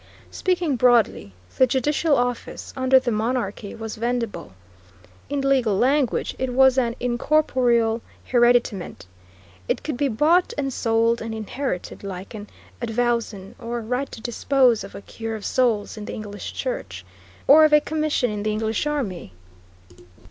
Speaking broadly, the judicial office, under the monarchy, was vendible. In legal language, it was an incorporeal hereditament. It could be bought and sold and inherited like an advowson, or right to dispose of a cure of souls in the English Church, or of a commission in the English army.